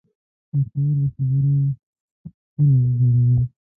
هوښیار له خبرو تله جوړوي